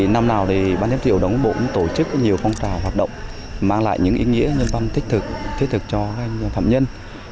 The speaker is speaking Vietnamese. năm nào ban giám thị trường đồng bộ cũng tổ chức nhiều phong trào hoạt động mang lại những ý nghĩa nhân văn thích thực cho phạm nhân